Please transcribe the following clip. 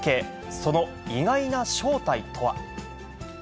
その意外な正体とは。